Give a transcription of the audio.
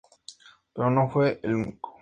Pero no fue el único.